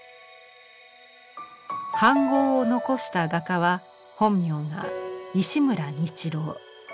飯ごうを残した画家は本名は石村日郎。